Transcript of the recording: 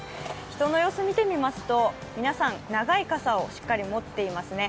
人の様子を見てみますと皆さん長い傘をしっかり持っていますね。